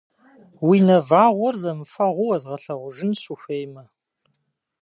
Уи нэвагъуэр зэмыфэгъуу уэзгъэлъэгъужынщ, ухуеймэ!